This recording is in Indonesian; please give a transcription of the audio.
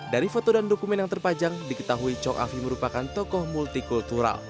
dari foto dan dokumen yang terpajang diketahui chong afi merupakan tokoh multi kultural